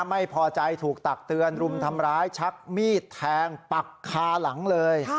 ไม่พอใจถูกตักเตือนรุมทำร้ายชักมีดแทงปักคาหลังเลย